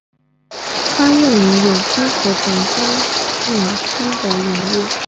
它用于有机合成中巯基的引入。